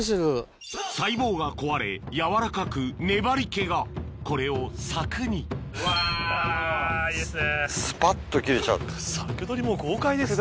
細胞が壊れ軟らかく粘り気がこれをサクにうわいいですね。